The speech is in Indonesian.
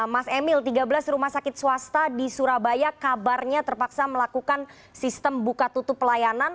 mas emil tiga belas rumah sakit swasta di surabaya kabarnya terpaksa melakukan sistem buka tutup pelayanan